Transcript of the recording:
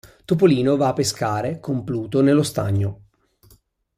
Topolino va a pescare con Pluto nello stagno.